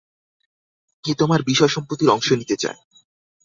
কে তোমার বিষয়সম্পত্তির অংশ নিতে চায়!